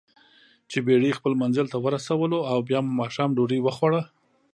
چې بېړۍ خپل منزل ته ورسولواو بیا مو دماښام ډوډۍ وخوړه.